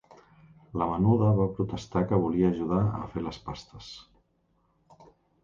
La menuda va protestar que volia ajudar a fer les pastes.